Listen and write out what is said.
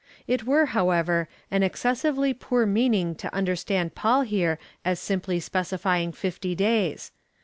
It were, however, an excessively poor meaning to understand Paul here as simply specifying fifty days.